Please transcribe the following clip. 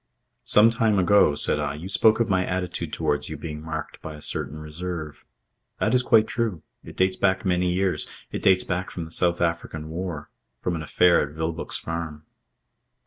"Some time ago," said I, "you spoke of my attitude towards you being marked by a certain reserve. That is quite true. It dates back many years. It dates back from the South African War. From an affair at Vilboek's Farm."